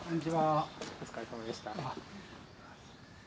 お疲れさまでした。